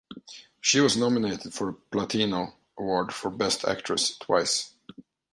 She was nominated for Platino Award for Best Actress twice.